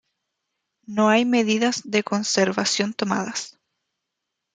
No hay medidas de conservación tomadas.